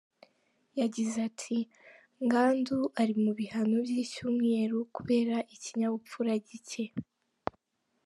Yagize ati “Ngandu ari mu bihano by’icyumweru kubera ikinyabupfura gike.